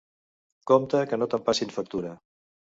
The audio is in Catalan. Compte que no te'n passin factura.